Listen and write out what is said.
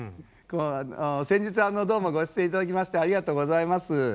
先日はどうもご出演頂きましてありがとうございます。